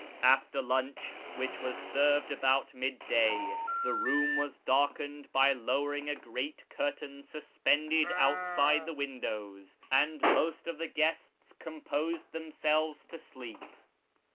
After lunch, which was served about midday, the room was darkened by lowering a great curtain suspended outside the windows, and most of the guests composed themselves to sleep.